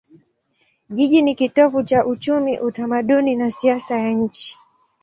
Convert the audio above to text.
Jiji ni kitovu cha uchumi, utamaduni na siasa ya nchi.